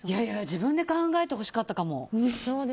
自分で考えてほしかったかも。